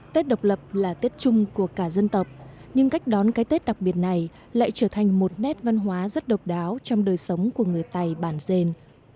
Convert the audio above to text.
tết độc lập là tết chung của cả dân tộc nhưng cách đón cái tết đặc biệt này lại trở thành một nét văn hóa rất độc đáo trong đời sống của người tày bản dền